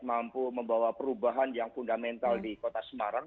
mampu membawa perubahan yang fundamental di kota semarang